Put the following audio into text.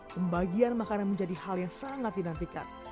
pembagian makanan menjadi hal yang sangat dinantikan